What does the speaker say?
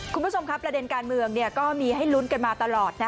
คุณผู้ชมครับประเด็นการเมืองก็มีให้ลุ้นกันมาตลอดนะ